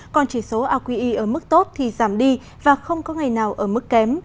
còn chỉ số aqi ở mức tốt thì giảm đi và không có ngày nào ở mức kém